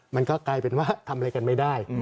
มันก็กลายเป็นว่าทำอะไรกันไม่ได้